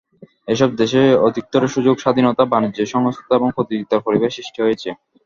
এসব দেশে অধিকতর সুযোগ, স্বাধীনতা, বাণিজ্যে স্বচ্ছতা এবং প্রতিযোগিতার পরিবেশ সৃষ্টি হয়েছে।